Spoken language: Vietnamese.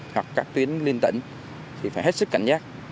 hoặc các tuyến liên tỉnh thì phải hết sức cảnh giác